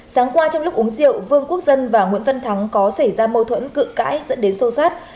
sáng qua trong lúc uống rượu vương quốc dân và nguyễn văn thắng có xảy ra mâu thuẫn cự cãi dẫn đến sâu sát